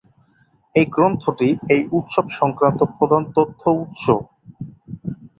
এই গ্রন্থটি এই উৎসব-সংক্রান্ত প্রধান তথ্য-উৎস।